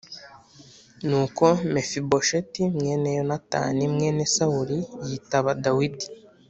Nuko Mefibosheti mwene Yonatani mwene Sawuli yitaba Dawidi